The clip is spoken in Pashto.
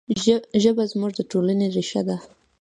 ژبه زموږ د ټولنې ریښه ده.